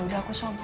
udah aku sobek